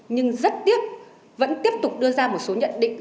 nhưng rất tiếc vẫn tiếp tục đưa ra một số nhận định